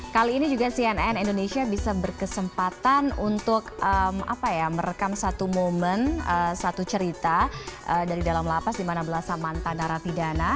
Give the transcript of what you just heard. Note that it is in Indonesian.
kali ini juga cnn indonesia bisa berkesempatan untuk merekam satu momen satu cerita dari dalam lapas di mana belasan mantan narapidana